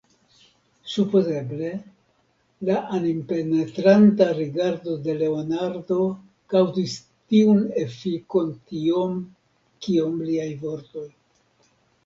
Supozeble la animpenetranta rigardo de Leonardo kaŭzis tiun efikon tiom, kiom liaj vortoj.